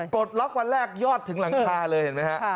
ปลดล็อกวันแรกยอดถึงหลังคาเลยเห็นไหมฮะ